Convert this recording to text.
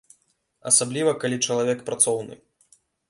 Асабліва калі чалавек працоўны.